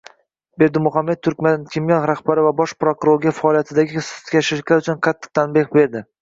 Berdimuhamedov Turkmankimyo rahbari va bosh prokurorga faoliyatidagi sustkashliklar uchun qattiq tanbeh berdi